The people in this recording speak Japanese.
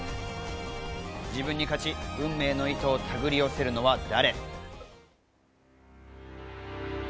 自分に勝ち、運命の糸を手繰り寄せるのは誰？